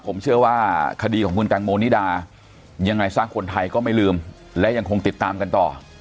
ผมเชื่อว่าคดีของคุณแตงโมนิดายังไงซะคนไทยก็ไม่ลืมและยังคงติดตามกันต่อ